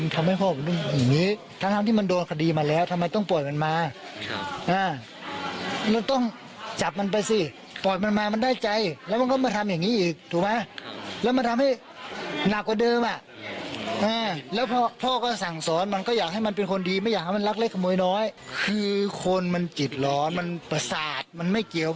คือคนมันจิตหลอนมันประสาทมันไม่เกี่ยว